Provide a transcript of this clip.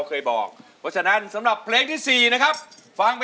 ก็จะหยุดครับ